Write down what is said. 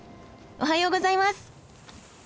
おはようございます！